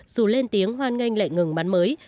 dù lên tiếng hoan nghênh lệnh ngừng bắn mới